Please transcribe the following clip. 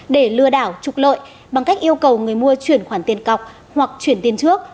để lừa đảo trục lợi bằng cách yêu cầu người mua chuyển khoản tiền cọc hoặc chuyển tiền trước